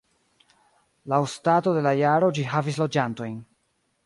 Laŭ stato de la jaro ĝi havis loĝantojn.